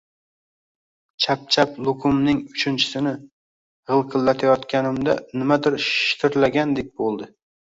Chapchap luqumning uchinchisini g‘ilqillatayotganimda, nimadir shitirlagandek bo‘ldi